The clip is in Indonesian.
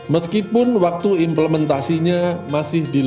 meskipun waktu implementasinya masih dilalui